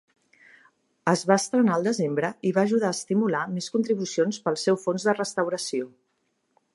Es va estrenar al desembre i va ajudar a estimular més contribucions pel seu fons de restauració.